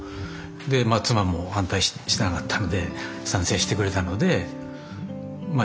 で妻も反対しなかったので賛成してくれたのでまあ